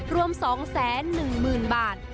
รวม๒๑๐๐๐บาท